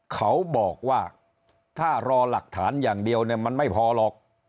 เขาบอกว่าถ้ารอหลักฐานอย่างเดียวเนี่ยมันไม่พอหรอก